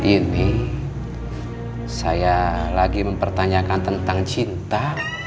ini saya lagi mempertanyakan tentang cinta